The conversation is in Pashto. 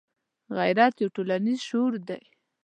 غیرت یو ټولنیز شعور دی